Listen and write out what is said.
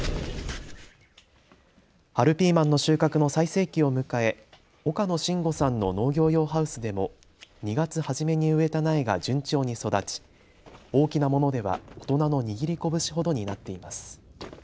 春ピーマンの収穫の最盛期を迎え岡野信吾さんの農業用ハウスでも２月初めに植えた苗が順調に育ち大きなものでは大人の握り拳ほどになっています。